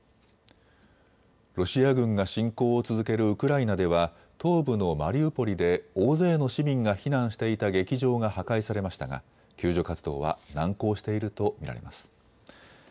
ロシア軍が侵攻を続けるウクライナでは東部のマリウポリで大勢の市民が避難していた劇場が破壊されましたが救助活動は難航していると見られます。